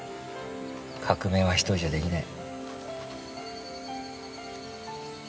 革命は一人じゃできない。